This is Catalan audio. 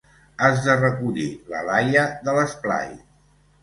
Has de recollir la Laia de l'esplai.